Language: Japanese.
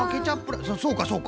そうかそうか。